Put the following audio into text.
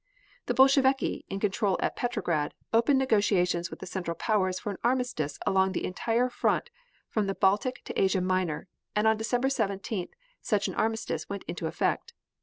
The Bolsheviki, in control at Petrograd, opened negotiations with the Central Powers for an armistice along the entire front from the Baltic to Asia Minor, and on December 17th, such an armistice went into effect.